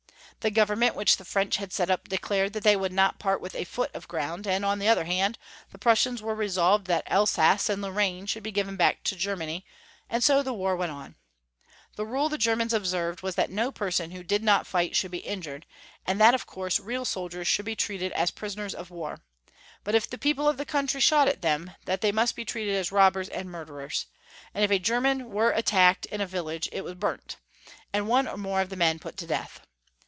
The Government wliich the French had set up declared that they would not part with a foot of gi*ound, and on the other hand the Prussians were resolved that Elsass and Lorrame should be given back to Ger many, and so the war went on. Tlie ride the Ger mans observed was that no pei'son who did not fight should be injured, and that of coui'se real sol diers should be treated as prisoners of war ; but if the people of the country shot at them, that they 472 Young Folks* History of Germany. must be treated as robbers and murderers ; and if a Geiman were attacked in a viUage, it was burnt, and one or more of the men put to death.